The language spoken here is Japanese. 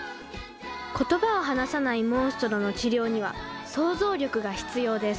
言葉を話さないモンストロの治療には想像力が必要です。